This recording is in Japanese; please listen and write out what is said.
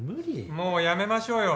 もうやめましょうよ